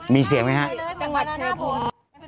มีเสียงไหมฮะ